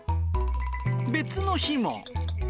別の日も。